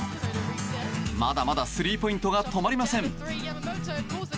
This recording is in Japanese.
まだまだスリーポイントが止まりません！